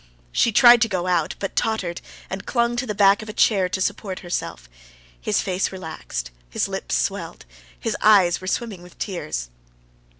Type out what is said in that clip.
She tried to go out, but tottered, and clung to the back of a chair to support herself. His face relaxed, his lips swelled, his eyes were swimming with tears.